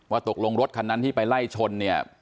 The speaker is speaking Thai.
ตกลงรถคันนั้นที่ไปไล่ชนเนี่ย